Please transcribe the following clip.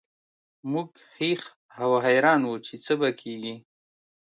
موږ هېښ او حیران وو چې څه به کیږي